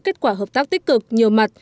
kết quả hợp tác tích cực nhiều mặt